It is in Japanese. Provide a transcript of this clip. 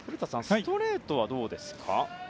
ストレートはどうですか？